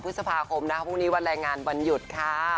พฤษภาคมนะคะพรุ่งนี้วันแรงงานวันหยุดค่ะ